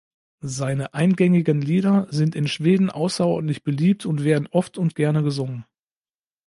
Seine eingängigen Lieder sind in Schweden außerordentlich beliebt und werden oft und gerne gesungen.